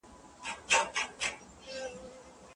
معلم صاحب به زموږ پاڼه وړاندي کړي.